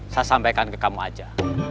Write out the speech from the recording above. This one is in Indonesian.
saya sampaikan ke kamu aja